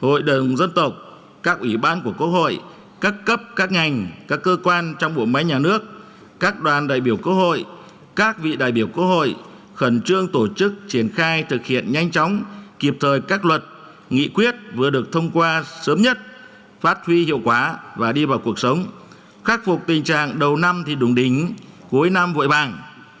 hội đồng dân tộc các ủy ban của quốc hội các cấp các ngành các cơ quan trong bộ máy nhà nước các đoàn đại biểu quốc hội các vị đại biểu quốc hội khẩn trương tổ chức triển khai thực hiện nhanh chóng kịp thời các luật nghị quyết vừa được thông qua sớm nhất phát huy hiệu quả và đi vào cuộc sống khắc phục tình trạng đầu năm thì đúng đính cuối năm vội bằng